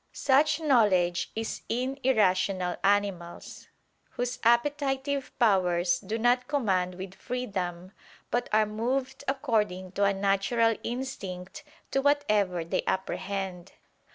Such knowledge is in irrational animals: whose appetitive powers do not command with freedom, but are moved according to a natural instinct to whatever they apprehend.